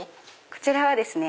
こちらはですね